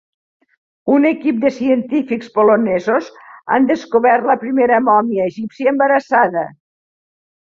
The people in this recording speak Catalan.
Un equip de científics polonesos han descobert la primera mòmia egípcia embarassada.